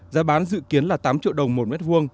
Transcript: giá bán dự kiến là tám triệu đồng một m hai